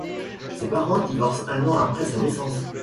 Ses parents divorcent un an après sa naissance.